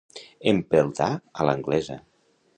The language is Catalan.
Empeltar a l'anglesa.